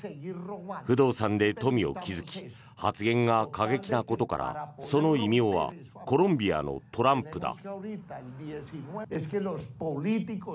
不動産で富を築き発言が過激なことからその異名はコロンビアのトランプだ。